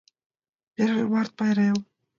Первый март пайрем.